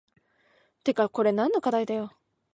てかこれ何の課題だよ